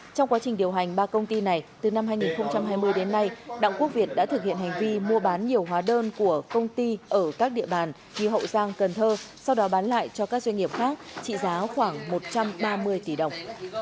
trong quá trình điều hành ba công ty này từ năm hai nghìn hai mươi đến nay đặng quốc việt đã thực hiện hành vi mua bán nhiều hóa đơn của công ty ở các địa bàn như hậu giang cần thơ sau đó bán lại cho các doanh nghiệp khác trị giá khoảng một trăm ba mươi tỷ đồng